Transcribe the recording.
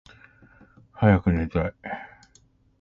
はやくねたい